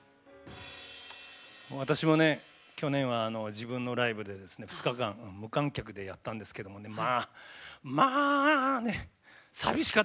私もね去年は自分のライブで２日間無観客でやったんですけどもまあまあね寂しかった！